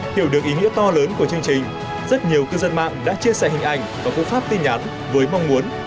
hiểu được ý nghĩa to lớn của chương trình rất nhiều cư dân mạng đã chia sẻ hình ảnh và cụ pháp tin nhắn với mong muốn